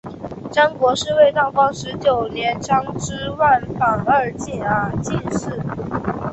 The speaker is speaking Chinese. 张国士为道光十九年张之万榜二甲进士。